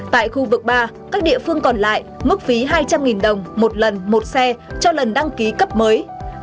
tại khu vực ba các địa phương còn lại mức phí hai trăm linh đồng một lần một xe cho lần đăng ký cấp mới